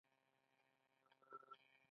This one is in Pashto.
پیاز د روغه غذایي برنامه برخه ده